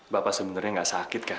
bapak sebenarnya nggak sakit kan